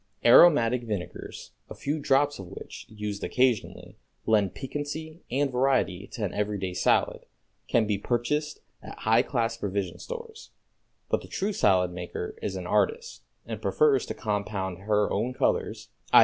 Aromatic vinegars, a few drops of which, used occasionally, lend piquancy and variety to an every day salad, can be purchased at high class provision stores; but the true salad maker is an artist, and prefers to compound her own colors (_i.